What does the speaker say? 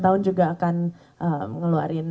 tahun juga akan ngeluarin